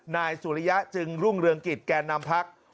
นายสุริยะจึงรุ่งเรืองกิจแก่นำพัก